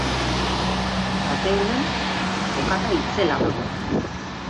Ateunen bokata itzela dago!